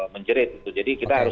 menjerit jadi kita harus